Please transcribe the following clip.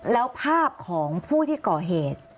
แล้วภาพของผู้ที่ก่อเหตุ